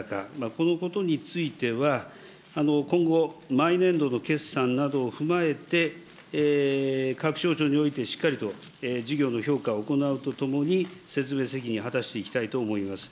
このことについては、今後、毎年度の決算などを踏まえて、各省庁においてしっかりと事業の評価を行うとともに、説明責任を果たしていきたいと思います。